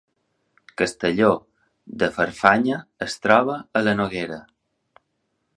Castelló de Farfanya es troba a la Noguera